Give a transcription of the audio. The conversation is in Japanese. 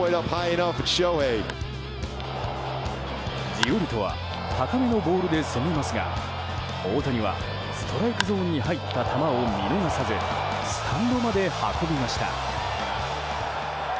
ジオリトは高めのボールで攻めますが大谷はストライクゾーンに入った球を見逃さずスタンドまで運びました。